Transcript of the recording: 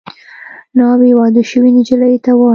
ناوې واده شوې نجلۍ ته وايي